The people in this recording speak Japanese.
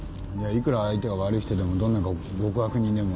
いくら相手が悪い人でもどんな極悪人でも。